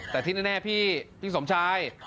แต่ที่แน่พี่พี่สมชาย